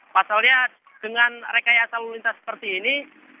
pasalnya dengan rekayasa lalu lintas seperti ini